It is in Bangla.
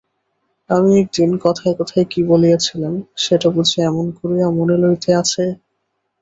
আমি একদিন কথায় কথায় কী বলিয়াছিলাম, সেটা বুঝি এমন করিয়া মনে লইতে আছে?